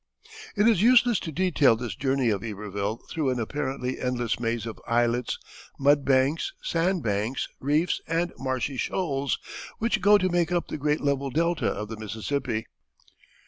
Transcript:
It is useless to detail this journey of Iberville through an apparently endless maze of islets, mud banks, sand banks, reefs, and marshy shoals, which go to make up the great level delta of the Mississippi.